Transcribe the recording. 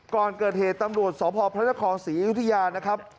ก่อนเกิดเหตุตำรวจสพพระนครศรีอยุธยานะครับ